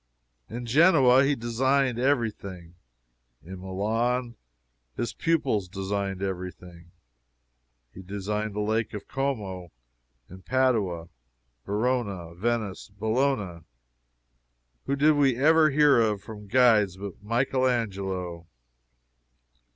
In Genoa, he designed every thing; in Milan he or his pupils designed every thing; he designed the Lake of Como; in Padua, Verona, Venice, Bologna, who did we ever hear of, from guides, but Michael Angelo?